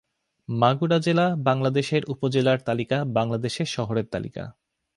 মাগুরা জেলা, বাংলাদেশের উপজেলার তালিকা, বাংলাদেশের শহরের তালিকা